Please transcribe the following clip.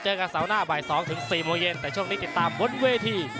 กับเสาร์หน้าบ่าย๒ถึง๔โมงเย็นแต่ช่วงนี้ติดตามบนเวที